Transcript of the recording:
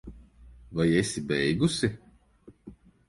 Vai esi beigusi?